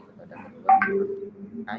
kepada orang tua